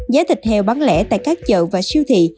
giá thịt heo bán lẻ tại các chợ và siêu thị